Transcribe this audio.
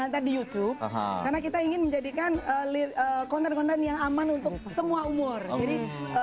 tadi sekalian bikin konten